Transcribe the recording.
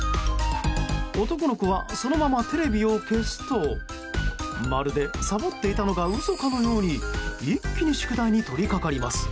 男の子はそのままテレビを消すとまるでサボっていたのが嘘かのように一気に宿題に取りかかります。